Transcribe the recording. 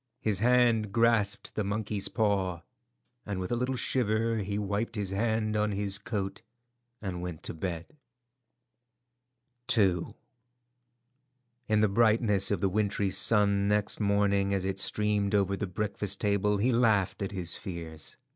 His hand grasped the monkey's paw, and with a little shiver he wiped his hand on his coat and went up to bed. II. In the brightness of the wintry sun next morning as it streamed over the breakfast table he laughed at his fears.